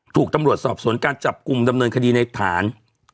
ถูกตำรวจสอบสวนการจับกลุ่มดำเนินคดีในฐาน